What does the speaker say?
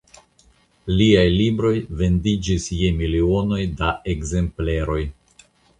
Liaj libroj vendiĝis je milionoj da ekzempleroj.